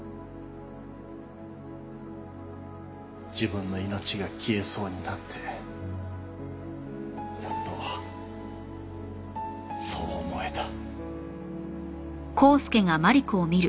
自分の命が消えそうになってやっとそう思えた。